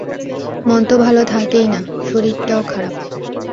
মন তো ভালো থাকেই না, শরীরটাও খারাপ।